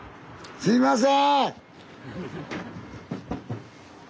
すいません